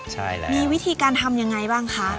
ใช่ครับ